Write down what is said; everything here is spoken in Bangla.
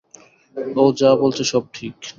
ও যা বলেছে সব ঠিক।